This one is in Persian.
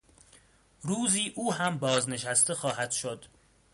روزی او هم بازنشسته خواهد شد.